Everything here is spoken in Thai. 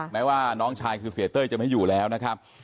แม้ว่าน้องชายคือเสียเต้ยจะไม่อยู่แล้วนะครับ